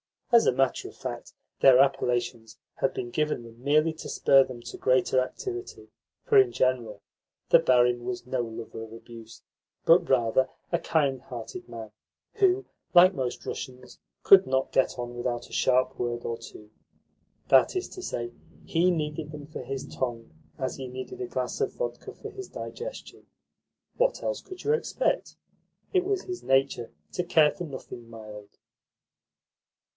As a matter of fact, their appellations had been given them merely to spur them to greater activity, for, in general, the barin was no lover of abuse, but, rather, a kind hearted man who, like most Russians, could not get on without a sharp word or two. That is to say, he needed them for his tongue as he need a glass of vodka for his digestion. What else could you expect? It was his nature to care for nothing mild.